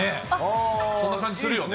そんな感じするよね。